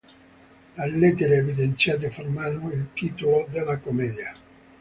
Le lettere evidenziate formano il titolo della commedia.